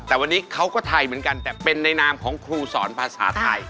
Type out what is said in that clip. แต่วันนี้เขาก็ไทยเหมือนกันแต่เป็นในนามของครูสอนภาษาไทย